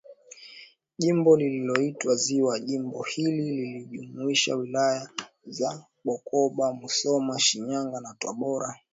Jimbo lililoitwa ziwa Jimbo hili lilijumuisha Wilaya za Bukoba Musoma Shinyanga na Tabora